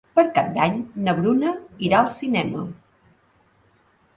Per Cap d'Any na Bruna irà al cinema.